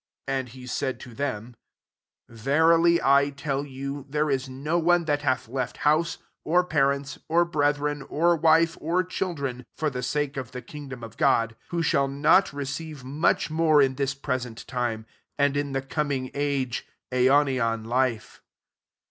S And he said to them, "Verily I tell you, there is no one that hath left house^ or parents, or brethren, or wife, or children^ for the sake of the kingdom of God, 30 who shall not receive much more in this present time; and in the coming age aionian life."